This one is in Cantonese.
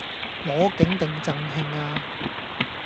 攞景定贈慶呀